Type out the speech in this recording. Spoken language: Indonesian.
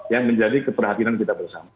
yang menjadi keperhatian kita bersama